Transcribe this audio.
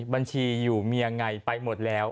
บัญชีอยู่มียังไงไปหมดแล้ว